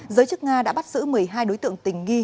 giới chức nga đã bắt giữ một mươi hai đối tượng tình nghi